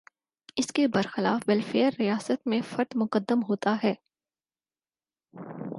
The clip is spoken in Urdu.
اس کے برخلاف ویلفیئر ریاست میں فرد مقدم ہوتا ہے۔